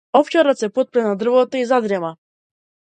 Овчарот се потпре на дрвото и задрема.